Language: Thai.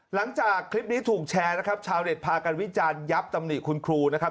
หลังจากคลิปนี้ถูกแชร์นะครับชาวเน็ตพากันวิจารณ์ยับตำหนิคุณครูนะครับ